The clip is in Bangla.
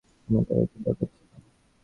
আমার টাকার কী দরকার ছিল।